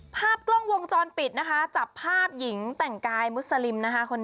ภาพกล้องวงจรปิดจับภาพหนึ่งแต่งกายมุสลิม